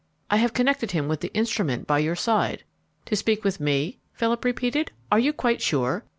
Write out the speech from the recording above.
"I have connected him with the instrument by your side." "To speak with me?" Philip repeated. "Are you quite sure?"